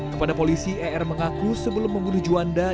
kepada polisi er mengaku sebelum membunuh juanda